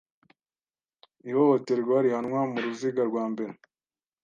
Ihohoterwa rihanwa mu ruziga rwa mbere